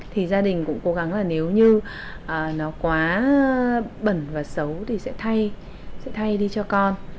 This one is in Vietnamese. thì gia đình cũng cố gắng là nếu như nó quá bẩn và xấu thì sẽ thay sẽ thay đi cho con